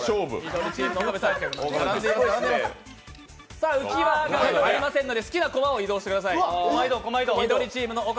さあ、浮き輪ありませんので好きなコマを移動してください。